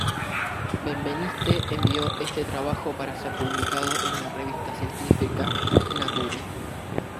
Benveniste envió este trabajo para ser publicado en la revista científica "Nature".